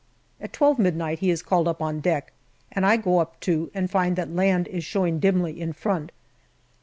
At twelve midnight he is called up on deck, and I go too and find that land is showing dimly in front.